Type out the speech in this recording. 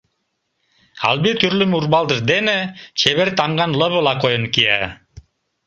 Алвий тӱрлымӧ урвалтыж дене чевер тамган лывыла койын кия.